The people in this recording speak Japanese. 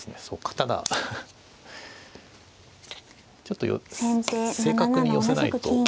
そうかただちょっと正確に寄せないと。